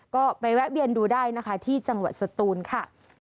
ก็ไปแวะเวียนดูได้นะคะที่จังหวัดสตูนค่ะ